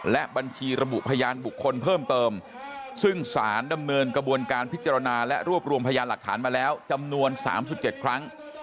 และบัญชีระบุพยานบุคคลเพิ่มเติมซึ่งสารดำเนินกระบวนการพิจารณาและรวบรวมพยานหลักฐานมาแล้วจำนวน๓๗ครั้ง